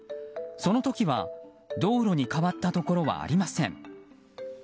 その時は道路に変わったところはありません。